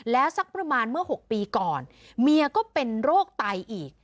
แล้วสักประมาณเมื่อ๖ปีก่อนเมียก็เป็นโรคไตอีก